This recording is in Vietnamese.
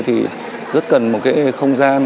thì rất cần một cái không gian